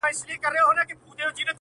خپه په دې يم چي زه مرمه او پاتيږي ژوند